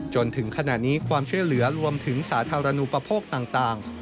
จนถึงขณะนี้ความช่วยเหลือรวมถึงสาธารณูปโภคต่าง